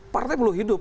partai perlu hidup